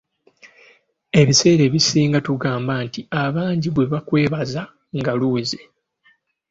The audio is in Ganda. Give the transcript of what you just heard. Ebiseera ebisinga tugamba nti abangi bwe bakwebaza nga luweze.